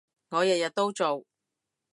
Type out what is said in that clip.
我日日都做